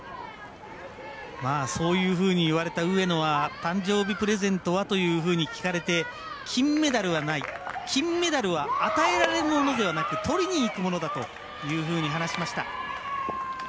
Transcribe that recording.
そういうふうに言われた上野は誕生日プレゼントは？と聞かれて、金メダルはない金メダルは与えられるものではなくとりにいくものだというふうに話しました。